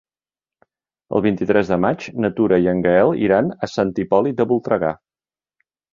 El vint-i-tres de maig na Tura i en Gaël iran a Sant Hipòlit de Voltregà.